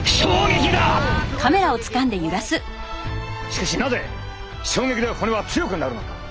しかしなぜ衝撃で骨は強くなるのか？